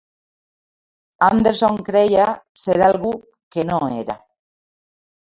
Anderson creia ser algú que no era.